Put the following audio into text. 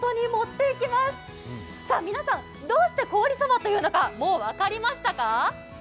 皆さん、どうして凍りそばというのかもう分かりましたか？